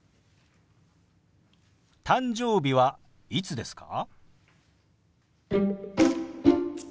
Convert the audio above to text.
「誕生日はいつですか？」。